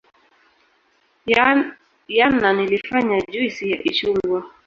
Yana nilifanya juisi ya ichungwa